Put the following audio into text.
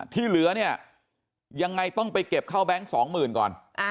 ที่เหลือเนี่ยยังไงต้องไปเก็บเข้าเบงก์๒๐๐๐๐ก่อน